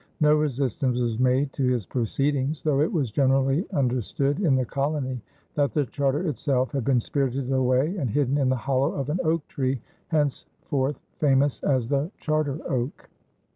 No resistance was made to his proceedings, though it was generally understood in the colony that the charter itself had been spirited away and hidden in the hollow of an oak tree, henceforth famous as the Charter Oak.